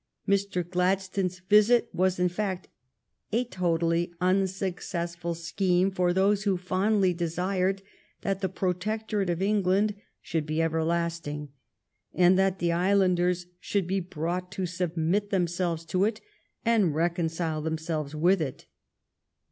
Mr. Gladstones visit was, in fact, a totally unsuccessful scheme for those who fondly desired that the Protectorate of England should be everlasting, and that the islanders should be brought to submit themselves to it and reconcile themselves with it.